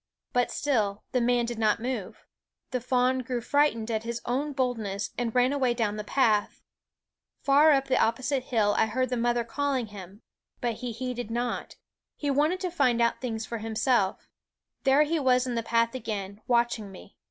But still the man did not move ; the fawn grew frightened at his own boldness and ran away down the path. Far up the opposite Cry in the 9 SCHOOL OJF hill I heard the mother calling him. But he heeded not ; he wanted to find out things ._ u .? JVitiht Jlk * or nimse1 * There he was in the path again, watching me.